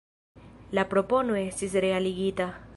La propono estis realigita.